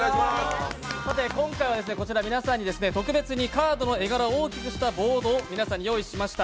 今回は皆さん特別にカードの絵柄を大きくしたカードを皆さんに用意しました。